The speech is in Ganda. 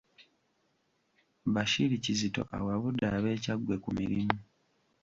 Bashir Kizito awabudde ab’e Kyaggwe ku mirimu.